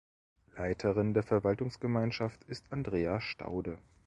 Leiterin der Verwaltungsgemeinschaft ist Andrea Staude.